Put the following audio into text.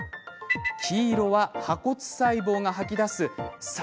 黄色は破骨細胞が吐き出す酸。